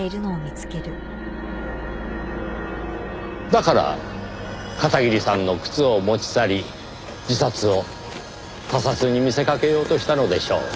だから片桐さんの靴を持ち去り自殺を他殺に見せかけようとしたのでしょう。